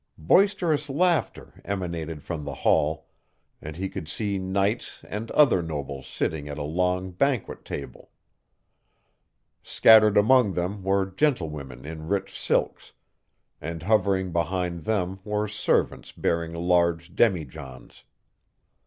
Boisterous laughter emanated from the hall, and he could see knights and other nobles sitting at a long banquet table. Scattered among them were gentlewomen in rich silks, and hovering behind them were servants bearing large demijohns.